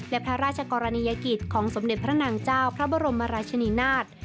และพระราชกรณียกิจของสมเด็จพระนางเจ้าพระบรมราชนีนาฏ